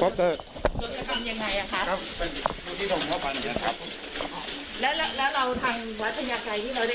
แล้วเราทางวัฒนยาไกรที่เราได้ไปจำหน่าย